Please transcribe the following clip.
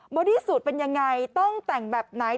อดี้สูตรเป็นยังไงต้องแต่งแบบไหน